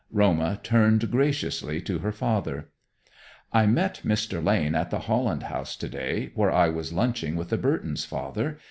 Roma turned graciously to her father. "I met Mr. Lane at the Holland House today, where I was lunching with the Burtons, father.